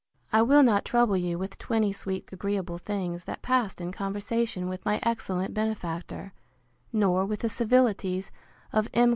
I will not trouble you with twenty sweet agreeable things that passed in conversation with my excellent benefactor; nor with the civilities of M.